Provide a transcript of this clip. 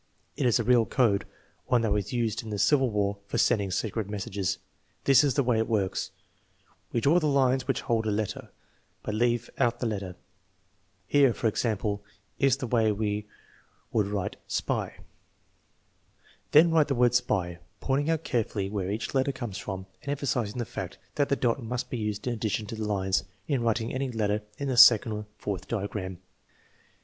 It is a real code, one that was used in the Civil War for sending secret messages. This is the way it works: we draw the lines which hold a letter, but leave out the letter. Here, for example, is the way we would write * spy? '" Then write the word spy, pointing out carefully where each letter comes from, and emphasizing the fact that the dot must be used in addition to the lines in writing any letter in the second or the fourth diagram.